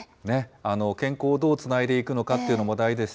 健康をどうつないでいくのかというのも大事です。